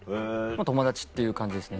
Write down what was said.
友達っていう感じですね